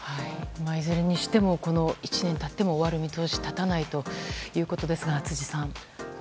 いずれにしても１年経っても終わる見通しが立たないということですが辻さん。